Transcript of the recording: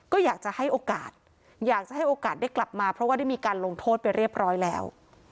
ก็อยากจะให้โอกาสอยากจะให้โอกาสได้กลับมาเพราะว่าได้มีการลงโทษไปเรียบร้อยแล้ว